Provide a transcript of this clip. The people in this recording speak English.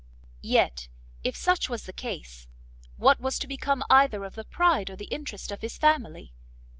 Yet, if such was the case, what was to become either of the pride or the interest of his family?